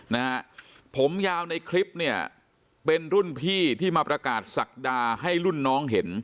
นะฮะผมยาวในคลิปเนี่ยเป็นรุ่นพี่ที่มาประกาศศักดาให้รุ่นน้องเห็น